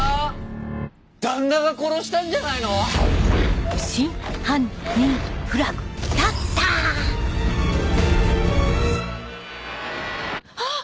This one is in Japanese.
旦那が殺したんじゃないの⁉あっ！